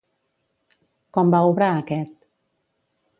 Com va obrar aquest?